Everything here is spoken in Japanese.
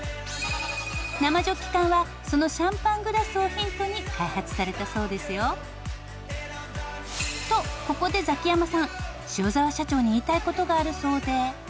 生ジョッキ缶はそのシャンパングラスをヒントに開発されたそうですよ。とここでザキヤマさん塩澤社長に言いたい事があるそうで。